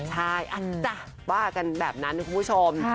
ใช่ว่ากันแบบนั้นนะคุณผู้ชม